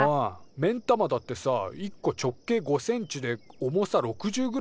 目ん玉だってさ１個直径５センチで重さ６０グラムもあんだぜ。